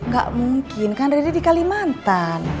gak mungkin kan riri di kalimantan